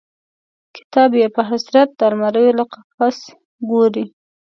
کتاب یې په حسرت د المارۍ له قفس ګوري